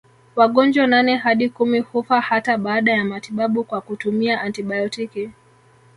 Wagonjwa nane hadi kumi hufa hata baada ya matibabu kwa kutumia antibiotiki